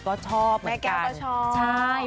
ก็ชอบเหมือนกัน